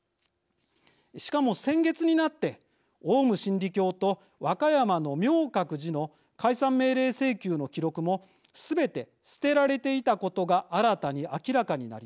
しかも先月になってオウム真理教と和歌山の明覚寺の解散命令請求の記録もすべて捨てられていたことが新たに明らかになりました。